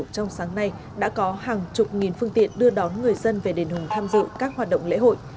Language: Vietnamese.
trong sáng nay đã có hàng chục nghìn phương tiện đưa đón người dân về đền hùng tham dự các hoạt động lễ hội